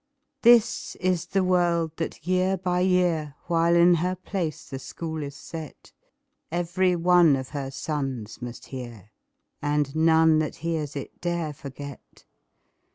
This is the word that year by year, While in her place the School is set, Every one of her sons must hear, And none that hears it dare forget.